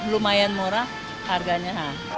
lumayan murah harganya